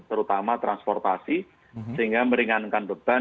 terutama transportasi sehingga meringankan beban